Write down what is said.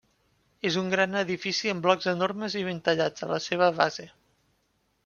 És un gran edifici amb blocs enormes i ben tallats a la seva base.